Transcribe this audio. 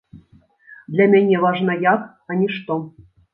Для мяне важна як, а не што.